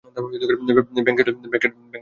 ভেঙ্কটেশ্বর বিবাহ হলে যাও।